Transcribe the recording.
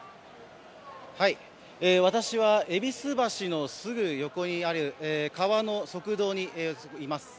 私は戎橋のすぐ横にある川の側道にいます。